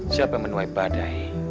siapa menuai badai